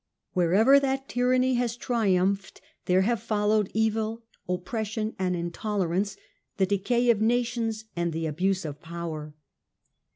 Wherever that tyranny has triumphed there have followed evil, oppression, and intolerance, the decay of nations and the abuse of power.